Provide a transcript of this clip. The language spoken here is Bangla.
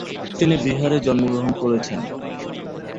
তিনি বিহারে জন্ম গ্রহণ করেছেন।